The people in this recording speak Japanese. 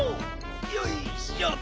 よいしょ。